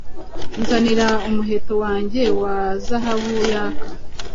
Nzanira umuheto wanjye wa zahabu yaka: